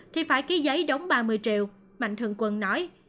thì phải ký giấy đóng ba mươi triệu mạnh thường quân nói